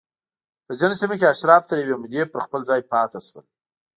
په ځینو سیمو کې اشراف تر یوې مودې پر خپل ځای پاتې شول